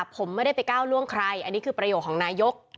ผมไม่ได้ไปก้าวล่วงใครอันนี้คือประโยคของนายก